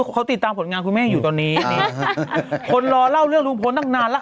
เขาติดตามผลงานคุณแม่อยู่ตอนนี้คนรอเล่าเรื่องลุงพลตั้งนานแล้ว